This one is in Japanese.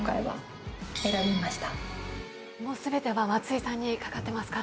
全ては松井さんにかかってますから。